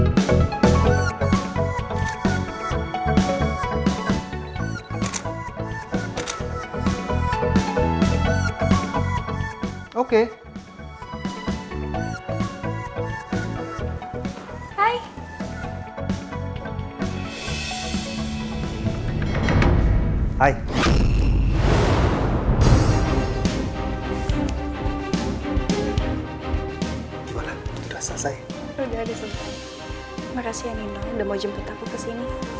makasih ya nino udah mau jemput aku kesini